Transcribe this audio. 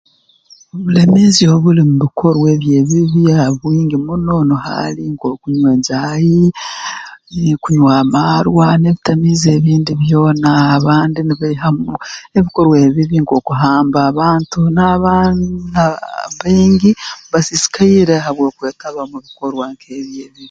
Obulemeezi obuli mu bikorwa ebi ebibi ah bwingi muno nuho ali nk'okunywa enjaahi kunywa amaarwa n'ebitamiiza ebindi byona abandi nibaihamu ebikorwa ebibi nk'okuhamba abantu n'abaana baingi basiisikaire habw'okwetaba mu bikorwa nk'ebi ebibi